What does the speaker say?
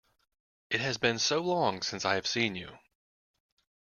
It has been so long since I have seen you!